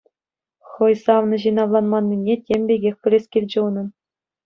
Хӑй савнӑ ҫын авланманнине тем пекех пӗлес килчӗ унӑн.